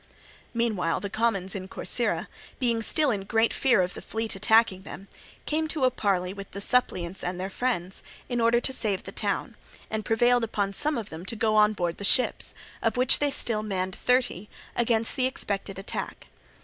Meanwhile the commons in Corcyra, being still in great fear of the fleet attacking them, came to a parley with the suppliants and their friends, in order to save the town; and prevailed upon some of them to go on board the ships, of which they still manned thirty, against the expected attack.